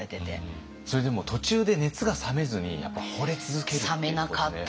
それでも途中で熱が冷めずにやっぱほれ続けるっていうことで。